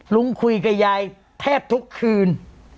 ลุงคุยกับยายแทบทุกคืน